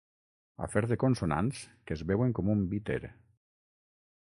Afer de consonants que es beuen com un Bitter.